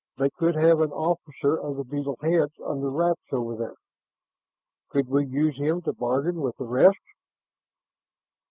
"They could have an officer of the beetle heads under wraps over there. Could we use him to bargain with the rest?"